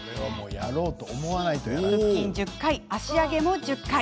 腹筋１０回、脚上げも１０回。